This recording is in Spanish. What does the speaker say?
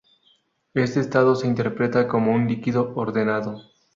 Este estado se interpreta como un líquido ordenado.